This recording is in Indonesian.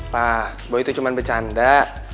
pak boy itu cuma bercanda